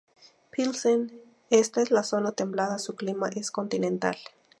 Pilsen está en la zona templada, su clima es continental.